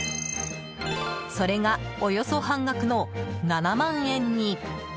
それが、およそ半額の７万円に。